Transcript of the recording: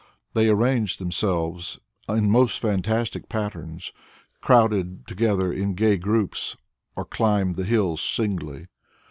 They arranged themselves in most fantastic patterns, crowded together in gay groups, or climbed the hills singly.